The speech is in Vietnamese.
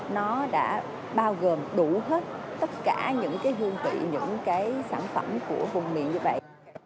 nó đã bao gồm đủ hết tất cả những cái hương vị những cái sản phẩm của vùng miền như vậy